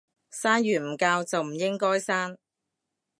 生完唔教就唔應該生